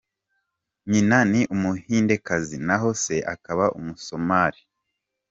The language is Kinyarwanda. Nyina ni umuhindekazi naho se akaba umusomali.